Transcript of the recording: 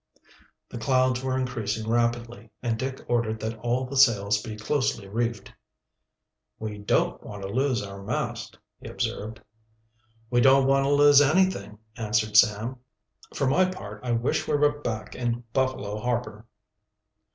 The clouds were increasing rapidly, and Dick ordered that all the sails be closely reefed. "We don't want to lose our mast," he observed. "We don't want to lose anything," answered Sam. "For my part, I wish we were back in Buffalo harbor."